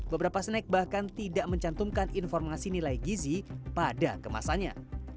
beberapa snack bahkan tidak mencantumkan informasi nilai gizi pada kemasannya